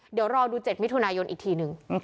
เดี๋ยวรอดู๗มิถุนายนอีกทีนึง